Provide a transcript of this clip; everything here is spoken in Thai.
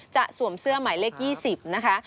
จะสวมเสื้อใหม่เลข๒๐นะคะ